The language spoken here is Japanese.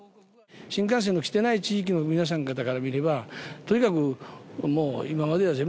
新幹線の来てない地域の皆さん方から見ればとにかくもう今までは全部国費でやってくれて。